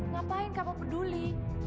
ngapain kamu peduli